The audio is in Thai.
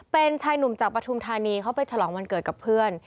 เป็นชายหนุ่มจากปฐุมธานีเขาไปฉลองวันเกิดกับเพื่อน